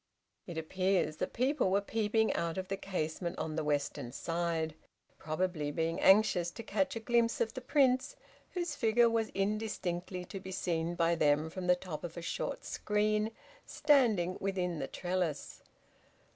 It appears that people were peeping out of the casement on the western side, probably being anxious to catch a glimpse of the Prince, whose figure was indistinctly to be seen by them from the top of a short screen standing within the trellis.